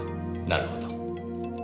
なるほど。